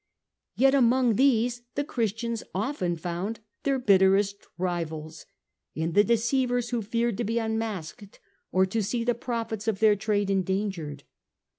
Yet among these the Christians often found their bitterest rivals, in the deceivers who feared to be unmasked, or to see the profits of their trade endangered.